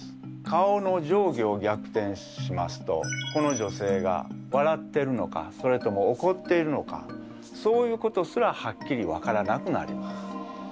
顔の上下を逆転しますとこの女性が笑ってるのかそれともおこっているのかそういうことすらはっきりわからなくなります。